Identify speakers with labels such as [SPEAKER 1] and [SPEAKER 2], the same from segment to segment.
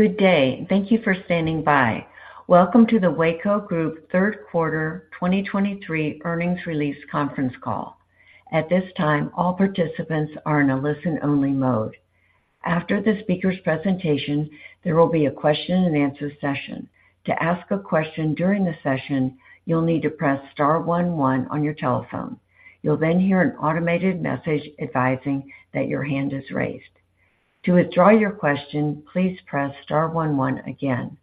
[SPEAKER 1] Good day, and thank you for standing by. Welcome to the Weyco Group third quarter 2023 earnings release conference call. At this time, all participants are in a listen-only mode. After the speaker's presentation, there will be a question-and-answer session. To ask a question during the session, you'll need to press star one one on your telephone. You'll then hear an automated message advising that your hand is raised. To withdraw your question, please press star one one again.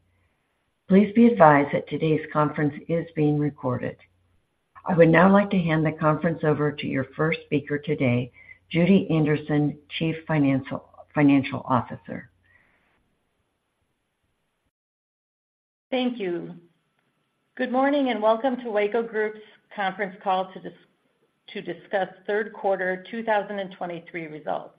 [SPEAKER 1] Please be advised that today's conference is being recorded. I would now like to hand the conference over to your first speaker today, Judy Anderson, Chief Financial Officer.
[SPEAKER 2] Thank you. Good morning, and welcome to Weyco Group's conference call to discuss third quarter 2023 results.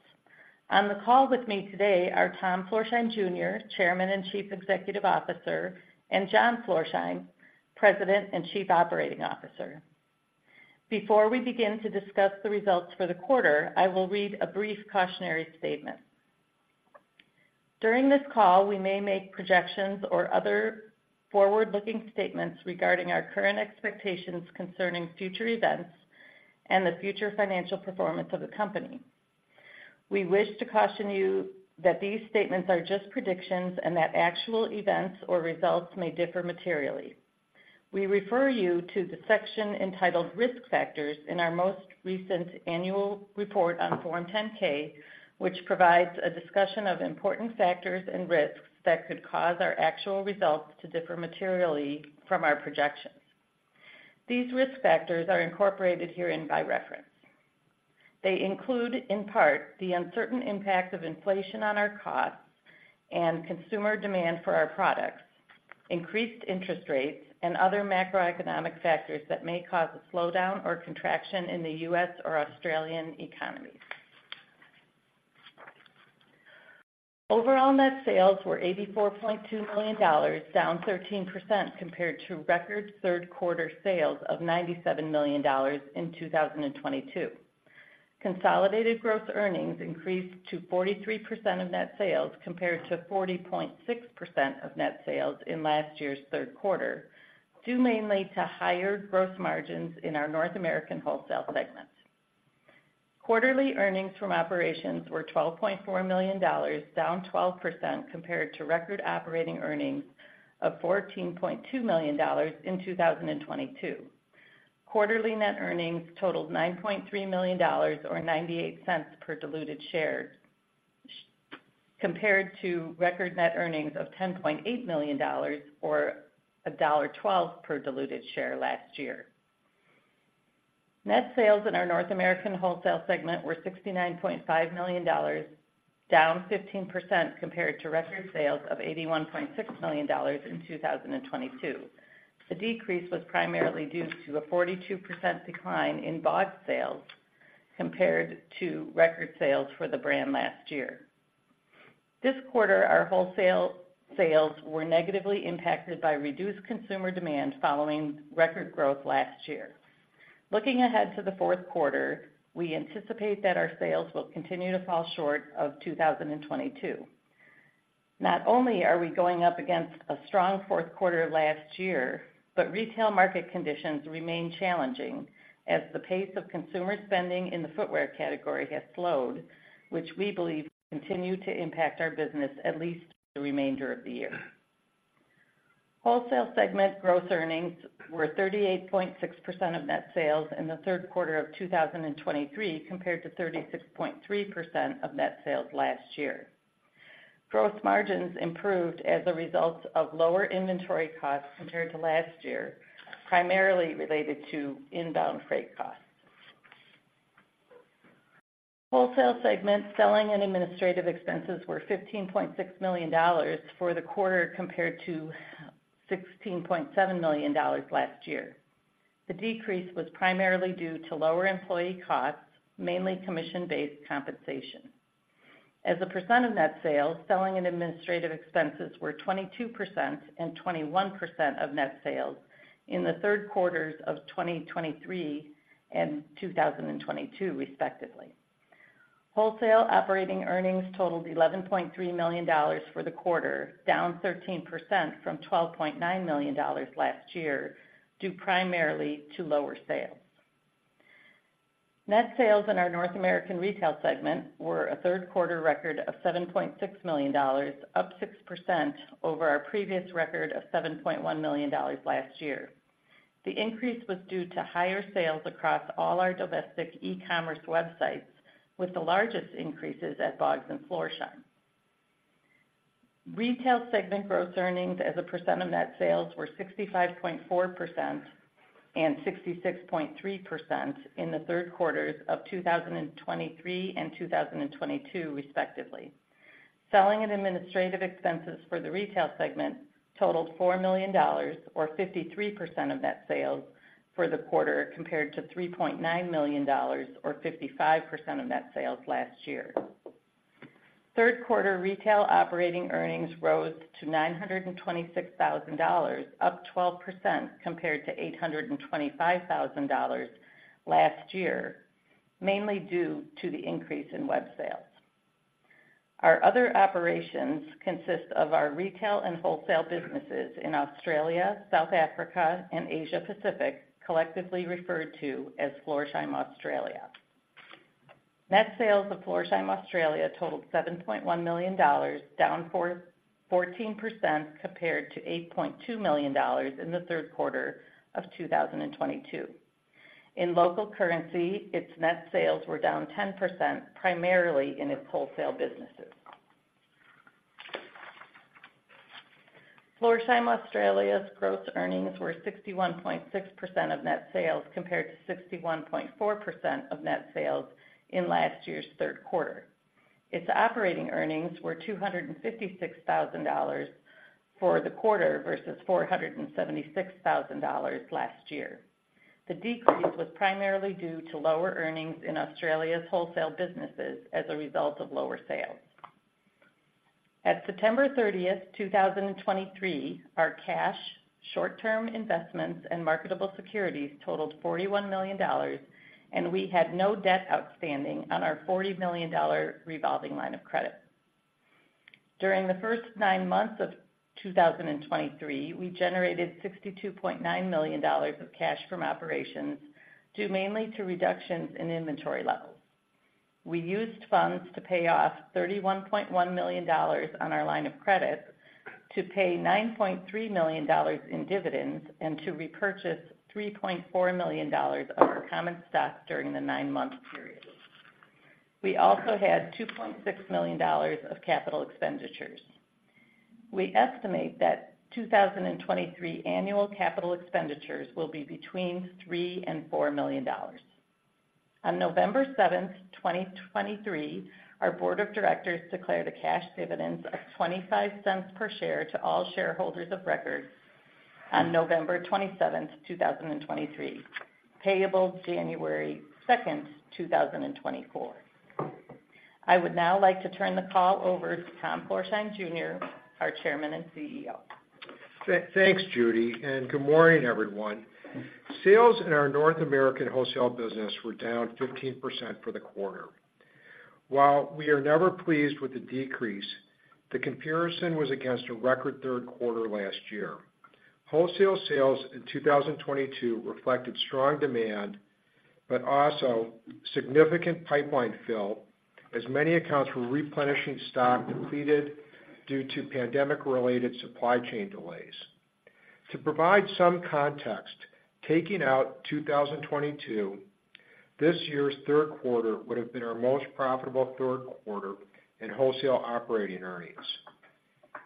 [SPEAKER 2] On the call with me today are Tom Florsheim Jr., Chairman and Chief Executive Officer, and John Florsheim, President and Chief Operating Officer. Before we begin to discuss the results for the quarter, I will read a brief cautionary statement. During this call, we may make projections or other forward-looking statements regarding our current expectations concerning future events and the future financial performance of the company. We wish to caution you that these statements are just predictions and that actual events or results may differ materially. We refer you to the section entitled Risk Factors in our most recent annual report on Form 10-K, which provides a discussion of important factors and risks that could cause our actual results to differ materially from our projections. These risk factors are incorporated herein by reference. They include, in part, the uncertain impact of inflation on our costs and consumer demand for our products, increased interest rates, and other macroeconomic factors that may cause a slowdown or contraction in the U.S. or Australian economies. Overall, net sales were $84.2 million, down 13% compared to record third quarter sales of $97 million in 2022. Consolidated gross earnings increased to 43% of net sales, compared to 40.6% of net sales in last year's third quarter, due mainly to higher gross margins in our North American wholesale segment. Quarterly earnings from operations were $12.4 million, down 12% compared to record operating earnings of $14.2 million in 2022. Quarterly net earnings totaled $9.3 million, or $0.98 per diluted share, compared to record net earnings of $10.8 million or $1.12 per diluted share last year. Net sales in our North American wholesale segment were $69.5 million, down 15% compared to record sales of $81.6 million in 2022. The decrease was primarily due to a 42% decline in Bogs sales compared to record sales for the brand last year. This quarter, our wholesale sales were negatively impacted by reduced consumer demand following record growth last year. Looking ahead to the fourth quarter, we anticipate that our sales will continue to fall short of 2022. Not only are we going up against a strong fourth quarter last year, but retail market conditions remain challenging as the pace of consumer spending in the footwear category has slowed, which we believe will continue to impact our business at least the remainder of the year. Wholesale segment gross earnings were 38.6% of net sales in the third quarter of 2023, compared to 36.3% of net sales last year. Gross margins improved as a result of lower inventory costs compared to last year, primarily related to inbound freight costs. Wholesale segment selling and administrative expenses were $15.6 million for the quarter, compared to $16.7 million last year. The decrease was primarily due to lower employee costs, mainly commission-based compensation. As a percent of net sales, selling and administrative expenses were 22% and 21% of net sales in the third quarters of 2023 and 2022, respectively. Wholesale operating earnings totaled $11.3 million for the quarter, down 13% from $12.9 million last year, due primarily to lower sales. Net sales in our North American retail segment were a third quarter record of $7.6 million, up 6% over our previous record of $7.1 million last year. The increase was due to higher sales across all our domestic e-commerce websites, with the largest increases at Bogs and Florsheim. Retail segment gross earnings as a percent of net sales were 65.4% and 66.3% in the third quarters of 2023 and 2022, respectively. Selling and administrative expenses for the retail segment totaled $4 million, or 53% of net sales for the quarter, compared to $3.9 million, or 55% of net sales last year. Third quarter retail operating earnings rose to $926,000, up 12% compared to $825,000 last year... mainly due to the increase in web sales. Our other operations consist of our retail and wholesale businesses in Australia, South Africa, and Asia Pacific, collectively referred to as Florsheim Australia. Net sales of Florsheim Australia totaled $7.1 million, down 14% compared to $8.2 million in the third quarter of 2022. In local currency, its net sales were down 10%, primarily in its wholesale businesses. Florsheim Australia's gross earnings were 61.6% of net sales, compared to 61.4% of net sales in last year's third quarter. Its operating earnings were $256,000 for the quarter versus $476,000 last year. The decrease was primarily due to lower earnings in Australia's wholesale businesses as a result of lower sales. At September 30th, 202309/30/2023, our cash, short-term investments and marketable securities totaled $41 million, and we had no debt outstanding on our $40 million revolving line of credit. During the first nine months of 2023, we generated $62.9 million of cash from operations, due mainly to reductions in inventory levels. We used funds to pay off $31.1 million on our line of credit, to pay $9.3 million in dividends, and to repurchase $3.4 million of our common stock during the nine-month period. We also had $2.6 million of capital expenditures. We estimate that 2023 annual capital expenditures will be between $3 million and $4 million. On November 7th, 2023, our board of directors declared a cash dividend of $0.25 per share to all shareholders of record on November 27th, 2023, payable January 2nd, 2024. I would now like to turn the call over to Tom Florsheim Jr., our Chairman and CEO.
[SPEAKER 3] Thanks, Judy, and good morning, everyone. Sales in our North American wholesale business were down 15% for the quarter. While we are never pleased with the decrease, the comparison was against a record third quarter last year. Wholesale sales in 2022 reflected strong demand, but also significant pipeline fill, as many accounts were replenishing stock depleted due to pandemic-related supply chain delays. To provide some context, taking out 2022, this year's third quarter would have been our most profitable third quarter in wholesale operating earnings.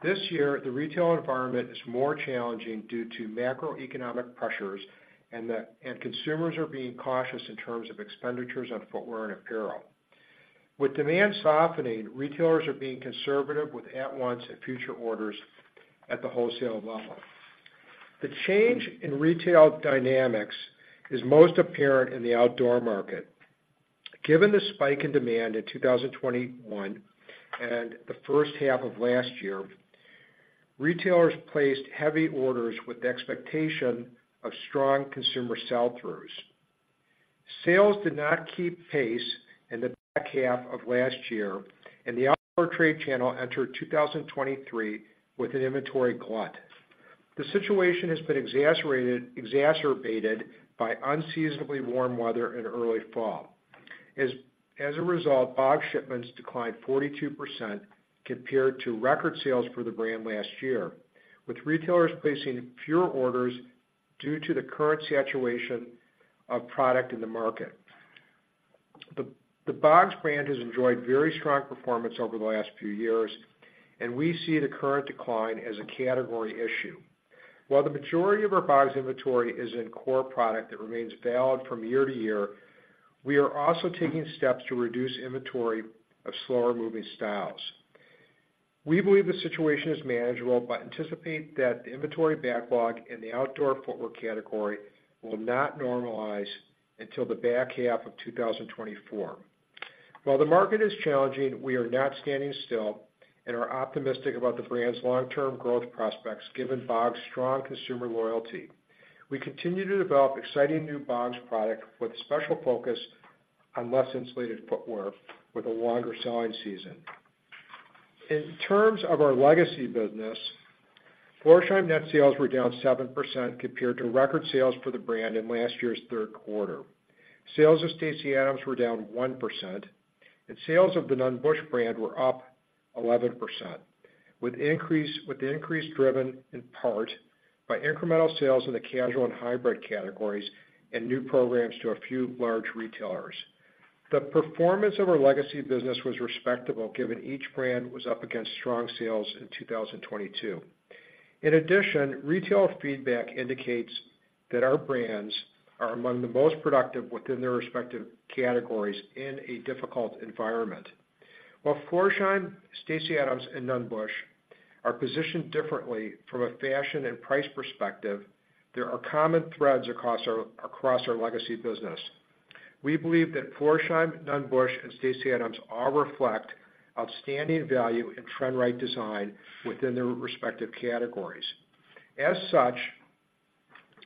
[SPEAKER 3] This year, the retail environment is more challenging due to macroeconomic pressures and consumers are being cautious in terms of expenditures on footwear and apparel. With demand softening, retailers are being conservative with at-once and future orders at the wholesale level. The change in retail dynamics is most apparent in the outdoor market. Given the spike in demand in 2021 and the first half of last year, retailers placed heavy orders with the expectation of strong consumer sell-throughs. Sales did not keep pace in the back half of last year, and the outdoor trade channel entered 2023 with an inventory glut. The situation has been exacerbated by unseasonably warm weather in early fall. As a result, Bogs shipments declined 42% compared to record sales for the brand last year, with retailers placing fewer orders due to the current saturation of product in the market. The Bogs brand has enjoyed very strong performance over the last few years, and we see the current decline as a category issue. While the majority of our Bogs inventory is in core product that remains valid from year to year, we are also taking steps to reduce inventory of slower-moving styles. We believe the situation is manageable, but anticipate that the inventory backlog in the outdoor footwear category will not normalize until the back half of 2024. While the market is challenging, we are not standing still and are optimistic about the brand's long-term growth prospects, given Bogs' strong consumer loyalty. We continue to develop exciting new Bogs product with special focus on less insulated footwear with a longer selling season. In terms of our legacy business, Florsheim net sales were down 7% compared to record sales for the brand in last year's third quarter. Sales of Stacy Adams were down 1%, and sales of the Nunn Bush brand were up 11%, with the increase driven in part by incremental sales in the casual and hybrid categories and new programs to a few large retailers. The performance of our legacy business was respectable, given each brand was up against strong sales in 2022. In addition, retail feedback indicates that our brands are among the most productive within their respective categories in a difficult environment. While Florsheim, Stacy Adams, and Nunn Bush are positioned differently from a fashion and price perspective, there are common threads across our legacy business. We believe that Florsheim, Nunn Bush, and Stacy Adams all reflect outstanding value and trend-right design within their respective categories. As such...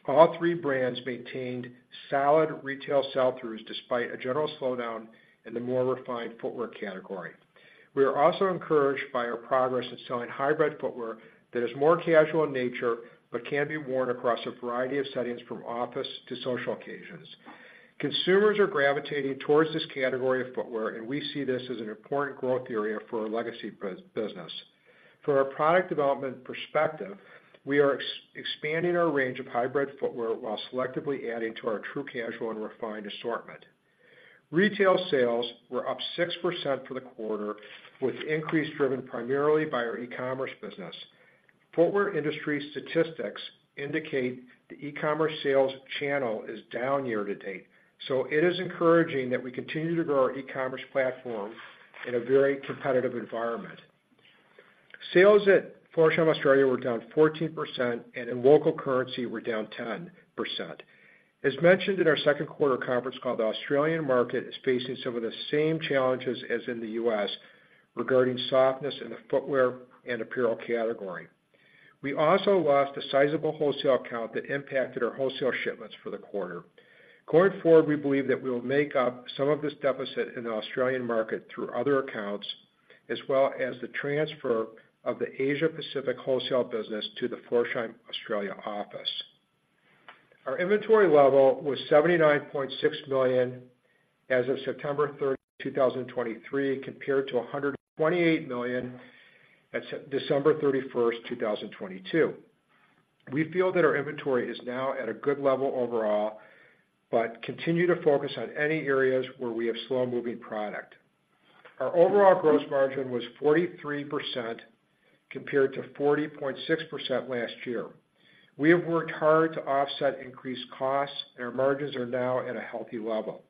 [SPEAKER 3] All three brands maintained solid retail sell-throughs despite a general slowdown in the more refined footwear category. We are also encouraged by our progress in selling hybrid footwear that is more casual in nature, but can be worn across a variety of settings from office to social occasions. Consumers are gravitating towards this category of footwear, and we see this as an important growth area for our legacy business. From a product development perspective, we are expanding our range of hybrid footwear while selectively adding to our true casual and refined assortment. Retail sales were up 6% for the quarter, with increase driven primarily by our E-commerce business. Footwear industry statistics indicate the E-commerce sales channel is down year-to-date, so it is encouraging that we continue to grow our E-commerce platform in a very competitive environment. Sales at Florsheim Australia were down 14%, and in local currency, were down 10%. As mentioned in our second quarter conference call, the Australian market is facing some of the same challenges as in the U.S. regarding softness in the footwear and apparel category. We also lost a sizable wholesale account that impacted our wholesale shipments for the quarter. Going forward, we believe that we'll make up some of this deficit in the Australian market through other accounts, as well as the transfer of the Asia Pacific wholesale business to the Florsheim Australia office. Our inventory level was $79.6 million as of September 30, 2023, compared to $128 million at December 31st, 2022. We feel that our inventory is now at a good level overall, but continue to focus on any areas where we have slow-moving product. Our overall gross margin was 43%, compared to 40.6% last year. We have worked hard to offset increased costs, and our margins are now at a healthy level.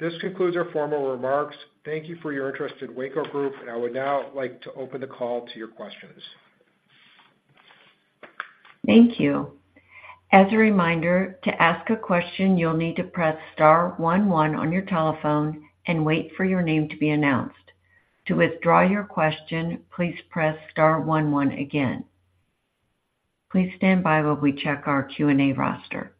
[SPEAKER 3] This concludes our formal remarks. Thank you for your interest in Weyco Group, and I would now like to open the call to your questions.
[SPEAKER 1] Thank you. As a reminder, to ask a question, you'll need to press star one one on your telephone and wait for your name to be announced. To withdraw your question, please press star one one again. Please stand by while we check our Q&A roster.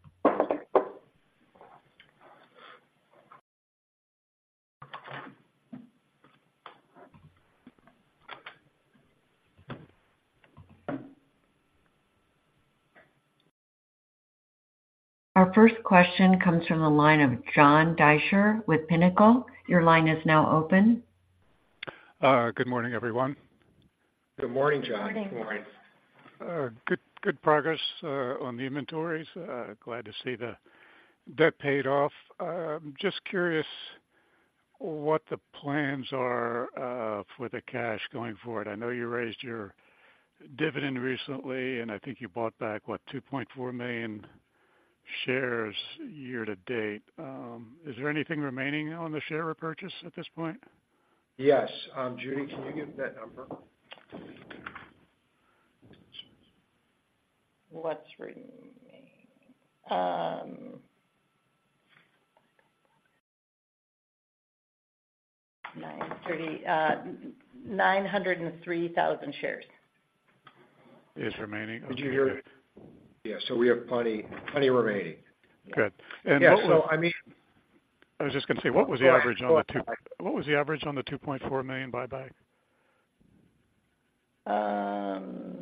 [SPEAKER 1] Our first question comes from the line of John Deysher with Pinnacle. Your line is now open.
[SPEAKER 4] Good morning, everyone.
[SPEAKER 3] Good morning, John.
[SPEAKER 5] Good morning.
[SPEAKER 4] Good, good progress on the inventories. Glad to see the debt paid off. Just curious what the plans are for the cash going forward. I know you raised your dividend recently, and I think you bought back, what? 2.4 million shares year to date. Is there anything remaining on the share repurchase at this point?
[SPEAKER 3] Yes. Judy, can you give me that number?
[SPEAKER 2] What's remaining? 903,000 shares.
[SPEAKER 4] Is remaining?
[SPEAKER 3] Did you hear it? Yeah. So we have plenty, plenty remaining.
[SPEAKER 4] Good.
[SPEAKER 3] Yeah, so I mean-
[SPEAKER 4] I was just gonna say, what was the average on the 2-
[SPEAKER 3] Go ahead.
[SPEAKER 4] What was the average on the $2.4 million buyback?
[SPEAKER 1] 25-43.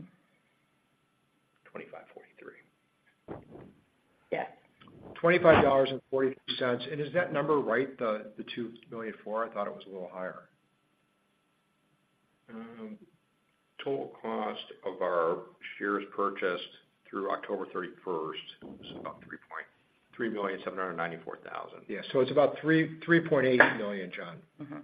[SPEAKER 2] Yes.
[SPEAKER 3] $25.43. Is that number right, the 2,000,004? I thought it was a little higher.
[SPEAKER 5] Total cost of our shares purchased through October 31st is about $4,094,000.
[SPEAKER 3] Yeah. So it's about $3.8 million, John.
[SPEAKER 4] Mm-hmm.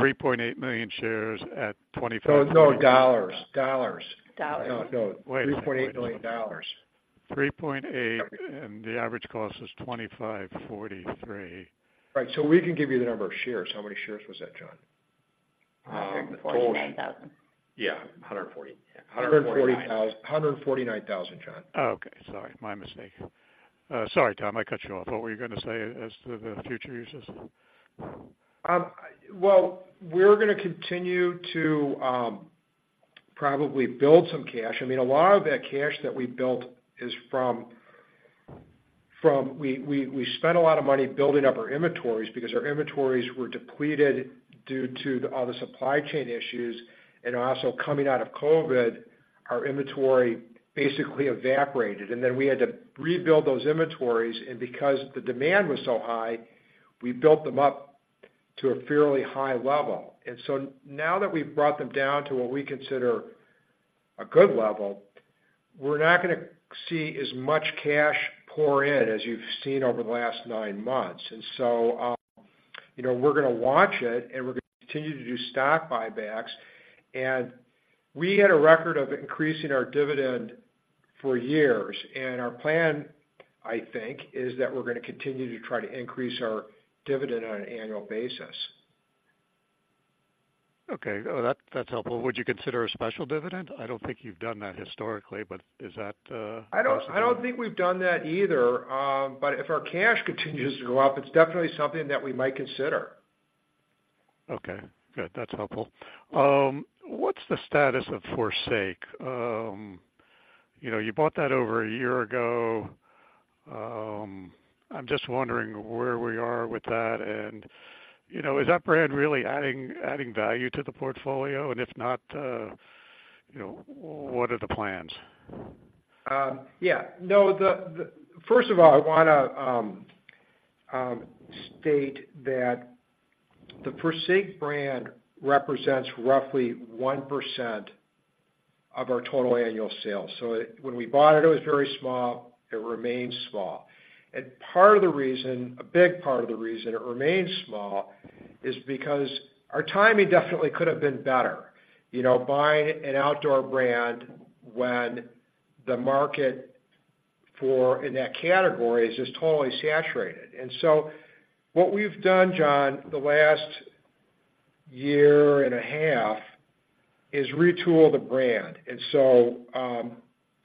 [SPEAKER 4] 3.8 million shares at $25-
[SPEAKER 3] No, no, dollars, dollars.
[SPEAKER 5] Dollars.
[SPEAKER 3] No, no.
[SPEAKER 4] Wait.
[SPEAKER 3] $3.8 million.
[SPEAKER 4] 3.8, and the average cost is $25.43.
[SPEAKER 3] Right. So we can give you the number of shares. How many shares was that, John?
[SPEAKER 2] $149,000.
[SPEAKER 5] Yeah, 140.
[SPEAKER 3] 149,000, John.
[SPEAKER 4] Oh, okay. Sorry, my mistake. Sorry, Tom, I cut you off. What were you gonna say as to the future uses?
[SPEAKER 3] Well, we're gonna continue to probably build some cash. I mean, a lot of that cash that we built is from... We spent a lot of money building up our inventories because our inventories were depleted due to all the supply chain issues. And also coming out of COVID, our inventory basically evaporated, and then we had to rebuild those inventories. And because the demand was so high, we built them up to a fairly high level. And so now that we've brought them down to what we consider a good level, we're not gonna see as much cash pour in as you've seen over the last nine months. And so, you know, we're gonna watch it, and we're gonna continue to do stock buybacks. We had a record of increasing our dividend for years, and our plan, I think, is that we're gonna continue to try to increase our dividend on an annual basis.
[SPEAKER 4] Okay. Oh, that's, that's helpful. Would you consider a special dividend? I don't think you've done that historically, but is that,
[SPEAKER 3] I don't, I don't think we've done that either, but if our cash continues to go up, it's definitely something that we might consider....
[SPEAKER 4] Okay, good. That's helpful. What's the status of Forsake? You know, you bought that over a year ago. I'm just wondering where we are with that, and, you know, is that brand really adding, adding value to the portfolio? And if not, you know, what are the plans?
[SPEAKER 3] Yeah, no, first of all, I wanna state that the Forsake brand represents roughly 1% of our total annual sales. So it, when we bought it, it was very small, it remains small. And part of the reason, a big part of the reason it remains small, is because our timing definitely could have been better, you know, buying an outdoor brand when the market for, in that category is just totally saturated. And so what we've done, John, the last year and a half, is retool the brand. And so,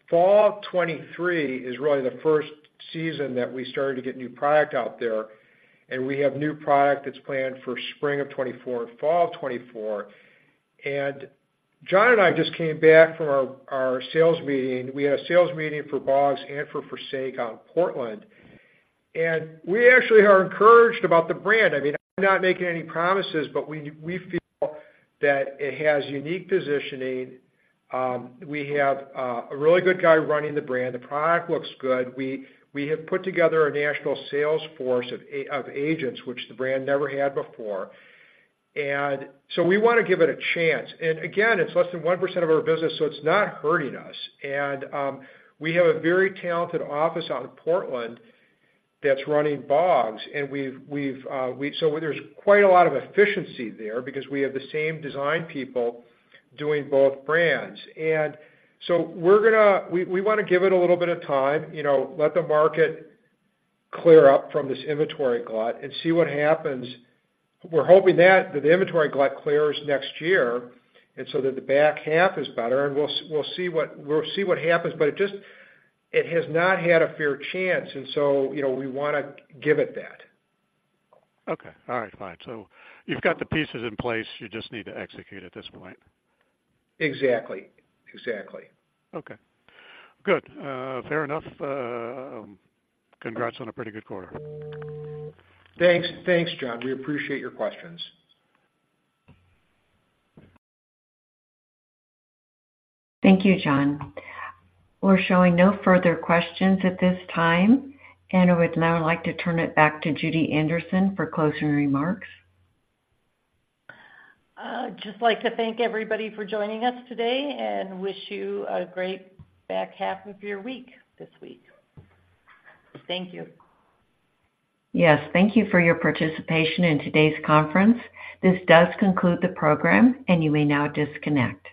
[SPEAKER 3] fall of 2023 is really the first season that we started to get new product out there, and we have new product that's planned for spring of 2024 and fall of 2024. And John and I just came back from our sales meeting. We had a sales meeting for Bogs and for Forsake out in Portland, and we actually are encouraged about the brand. I mean, I'm not making any promises, but we feel that it has unique positioning. We have a really good guy running the brand. The product looks good. We have put together a national sales force of agents, which the brand never had before. And so we wanna give it a chance. And again, it's less than 1% of our business, so it's not hurting us. And we have a very talented office out in Portland that's running Bogs, and so there's quite a lot of efficiency there because we have the same design people doing both brands. And so we're gonna... We wanna give it a little bit of time, you know, let the market clear up from this inventory glut and see what happens. We're hoping that the inventory glut clears next year, and so that the back half is better, and we'll see what, we'll see what happens. But it just has not had a fair chance, and so, you know, we wanna give it that.
[SPEAKER 4] Okay. All right, fine. So you've got the pieces in place. You just need to execute at this point.
[SPEAKER 3] Exactly. Exactly.
[SPEAKER 4] Okay, good. Fair enough. Congrats on a pretty good quarter.
[SPEAKER 3] Thanks. Thanks, John. We appreciate your questions.
[SPEAKER 1] Thank you, John. We're showing no further questions at this time, and I would now like to turn it back to Judy Anderson for closing remarks.
[SPEAKER 5] Just like to thank everybody for joining us today, and wish you a great back half of your week, this week. Thank you.
[SPEAKER 1] Yes, thank you for your participation in today's conference. This does conclude the program, and you may now disconnect.